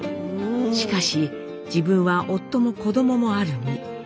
しかし自分は夫も子どももある身。